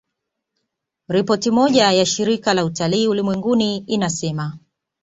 Ripoti moja ya Shirika la Utalii Ulimwenguni inasema